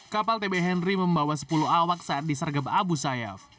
kapal tb henry membawa sepuluh awak saat disergap abu sayyaf